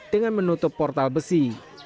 dengan menutup portal besi